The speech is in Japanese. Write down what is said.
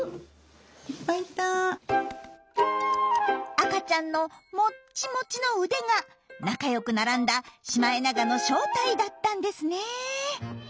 赤ちゃんのモッチモチの腕が仲良く並んだシマエナガの正体だったんですねえ。